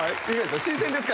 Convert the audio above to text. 新鮮ですか？